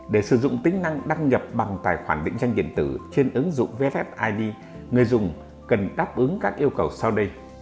để sử dụng tính năng đăng nhập bằng tài khoản định danh điện tử trên ứng dụng vfid người dùng cần đáp ứng các yêu cầu sau đây